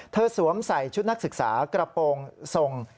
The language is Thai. สวมใส่ชุดนักศึกษากระโปรงทรง